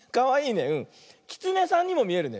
キツネさんにもみえるね。